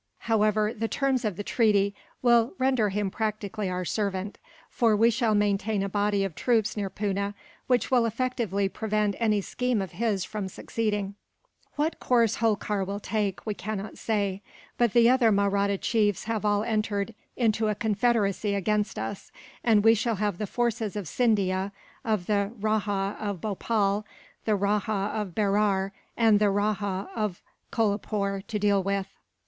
"However, the terms of the treaty will render him practically our servant; for we shall maintain a body of troops near Poona, which will effectually prevent any scheme of his from succeeding. "What course Holkar will take, we cannot say; but the other Mahratta chiefs have all entered into a confederacy against us, and we shall have the forces of Scindia, of the Rajah of Bhopal, the Rajah of Berar, and the Rajah of Kolapoore to deal with."